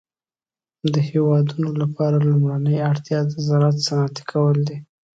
د هيوادونو لپاره لومړنۍ اړتيا د زراعت صنعتي کول دي.